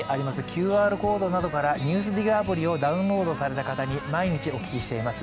ＱＲコードから「ＮＥＷＳＤＩＧ」アプリをダウンロードされた方に毎日お聞きしております。